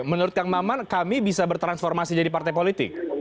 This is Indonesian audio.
menurut kang maman kami bisa bertransformasi jadi partai politik